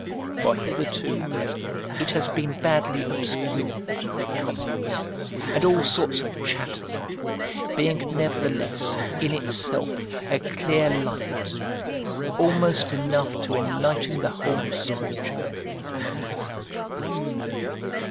For hitherto it has been badly obscured with comments and all sorts of chatter, being nevertheless in itself a clear light, almost enough to enlighten the whole Scripture.